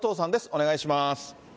お願いします。